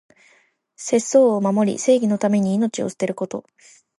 節操を守り、正義のために命を捨てること。